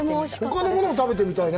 ほかのものも食べてみたいね。